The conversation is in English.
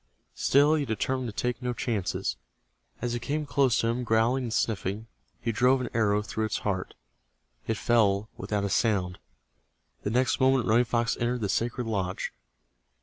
Still he determined to take no chances. As it came close to him, growling and sniffing, he drove an arrow through its heart. It fell without a sound. The next moment Running Fox entered the sacred lodge.